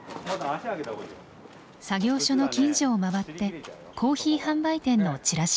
作業所の近所をまわってコーヒー販売店のチラシを配ります。